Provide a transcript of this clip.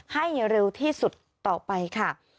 ให้เร็วที่สุดต่อไปค่ะ